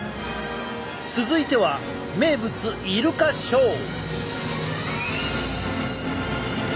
続いては名物イルカショー！